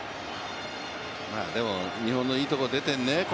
でも、日本のいいところが出てるね。